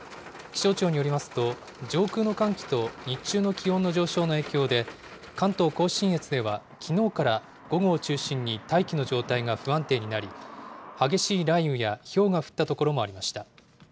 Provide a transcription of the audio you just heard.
気象庁によりますと、上空の寒気と日中の気温の上昇の影響で、関東甲信越では、きのうから午後を中心に大気の状態が不安定になり、激しい雷雨やひょうが降った所もありました。